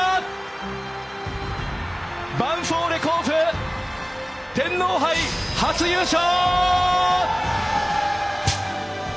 ヴァンフォーレ甲府天皇杯、初優勝！